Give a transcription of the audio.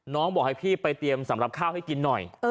บอกให้พี่ไปเตรียมสำหรับข้าวให้กินหน่อย